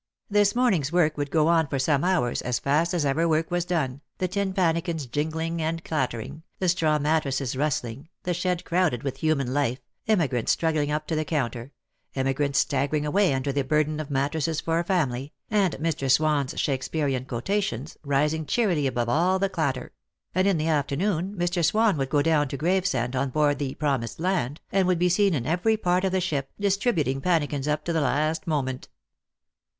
This morning's work would go on for some hours as fast as ever work was done, the tin pannikins jingling and clattering, the straw mattresses rustling, the shed crowded with human life, emigrants struggling up to the counter, emigrants staggering away under the burden of mattresses for a family, and Mr. 198 Lost for Love. Swan's Shakespearian quotations rising cheerily above all the clatter; and in the afternoon Mr. Swan would go down to Gravesend on board the Promised Land, and would be seen in every part of the ship, distributing pannikins up to the last moment.